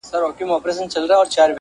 قتلوې سپیني ډېوې مي زه بې وسه درته ګورم